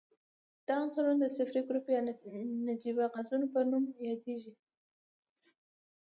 دا عنصرونه د صفري ګروپ یا نجیبه غازونو په نوم یادیږي.